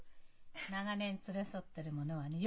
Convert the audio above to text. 長年連れ添ってる者はね